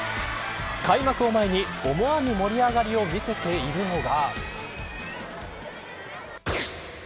開幕を前に、思わぬ盛り上がりを見せているのが。